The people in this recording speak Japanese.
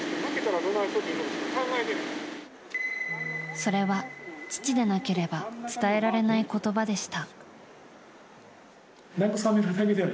それは父でなければ伝えられない言葉でした。